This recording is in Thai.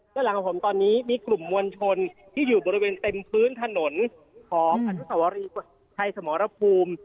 ด้านหลังของผมตอนนี้มีกลุ่มมวลชนที่อยู่บริเวณเต็มพื้นถนนของอนุสวรีชัยสมรภูมิ